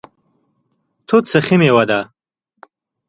توت سخي میوه ده